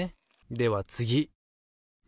では次②。